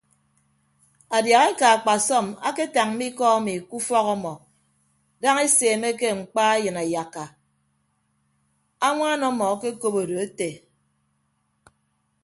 Adiahaeka akpasọm aketañ mme ikọ emi ke ufọk ọmọ daña eseemeke mkpa eyịn ayakka añwaan ọmmọ akekop odo ete.